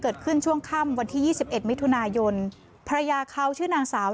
เกิดขึ้นช่วงค่ำวันที่ยี่สิบเอ็ดมิถุนายนภรรยาเขาชื่อนางสาว